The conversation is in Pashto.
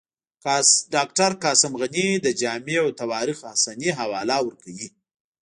ډاکټر قاسم غني د جامع التواریخ حسني حواله ورکوي.